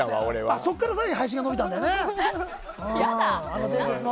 そこから更に伸びたんだよね。